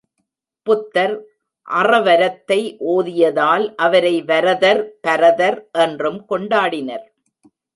புத்தர் அறவரத்தை ஓதியதால் அவரை வரதர், பரதர் என்றும் கொண்டாடினர்.